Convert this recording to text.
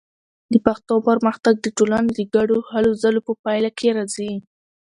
د پښتو پرمختګ د ټولنې د ګډو هلو ځلو په پایله کې راځي.